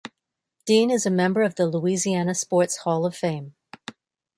Dean is a member of the Louisiana Sports Hall of Fame.